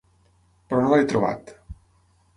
Però no l’he trobat.